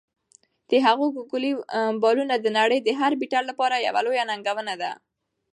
د هغه "ګوګلي" بالونه د نړۍ د هر بیټر لپاره یوه لویه ننګونه ده.